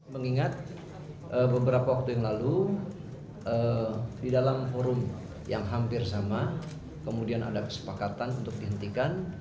mengingat beberapa waktu yang lalu di dalam forum yang hampir sama kemudian ada kesepakatan untuk dihentikan